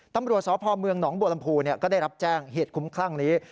ตำรวจสพเมืองหนองบัวลำพูก็ได้รับแจ้งเหตุคุ้มคลั่งนี้